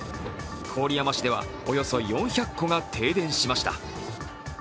郡山市ではおよそ４００戸が停電しました。